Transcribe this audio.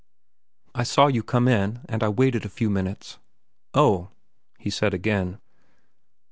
"I saw you come in, and I waited a few minutes." "Oh," he said again.